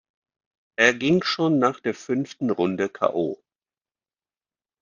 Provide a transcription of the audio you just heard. Er ging schon nach der fünften Runde k. o..